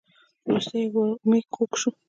وروسته یې ورمېږ کوږ شو .